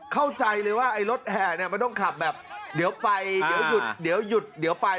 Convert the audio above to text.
เข้าใจเลยว่าไอ้รถแห่เนี่ยมันต้องขับแบบเดี๋ยวไปเดี๋ยวหยุดเดี๋ยวหยุดเดี๋ยวไป